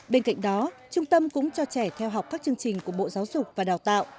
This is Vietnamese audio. bên cạnh đó trung tâm cũng cho trẻ theo học các chương trình của bộ giáo dục và đào tạo